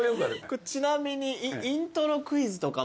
ちなみにイントロクイズとかも。